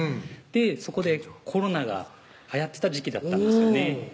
そこでコロナがはやってた時期だったんですよね